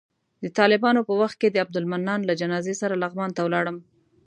د طالبانو په وخت کې د عبدالمنان له جنازې سره لغمان ته ولاړم.